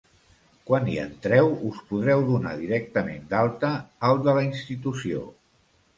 Quan hi entreu, us podreu donar directament d'alta al de la Institució.